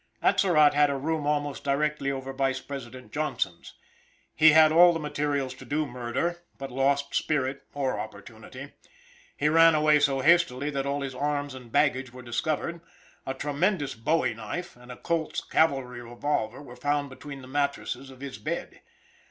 Atzerott had a room almost directly over Vice President Johnson's. He had all the materials to do murder, but lost spirit or opportunity. He ran away so hastily that all his arms and baggage were discovered; a tremendous bowie knife and a Colt's cavalry revolver were found between the mattresses of his bed.